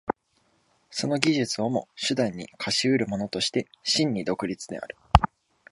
その技術をも手段に化し得るものとして真に独立である。